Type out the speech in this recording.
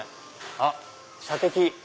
あっ射的！